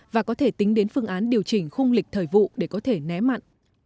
và có thể tính đến phương án điều chỉnh khung lịch thời vụ để có thể né mặn